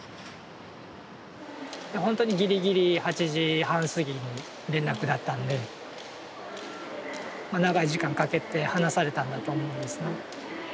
ほんとにギリギリ８時半過ぎに連絡だったんでまあ長い時間かけて話されたんだと思うんですね。